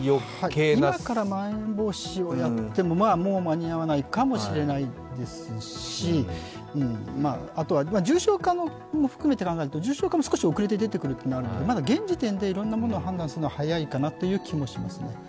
今からまん延防止をやっても間に合わないかもしれないですしあとは重症化を含めて考えると重症化も少し遅れて出てくるので、まだ現時点でいろんなものを判断するのは早いのかなと思いますね。